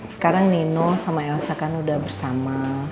sekarang nino sama elsa kan udah bersama